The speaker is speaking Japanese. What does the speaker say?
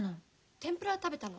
天ぷら食べたの？